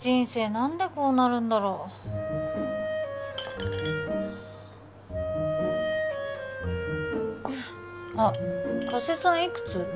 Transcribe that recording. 何でこうなるんだろうあっ加瀬さんいくつ？